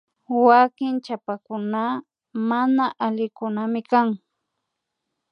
Wanki chapakuna mana alikunaminkan